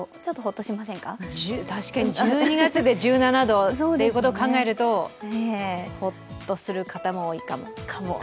確かに、１２月で１７度っていうことを考えるとほっとする方も多いかも。